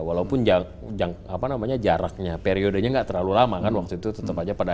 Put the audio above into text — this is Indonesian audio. walaupun yang jangkau namanya jaraknya periodenya gak terlalu lama kan waktu itu tetap aja pada